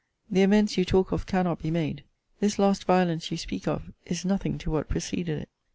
The amends you talk of cannot be made. This last violence you speak of, is nothing to what preceded it.